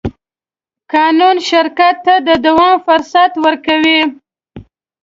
قانون شرکت ته د دوام فرصت ورکوي.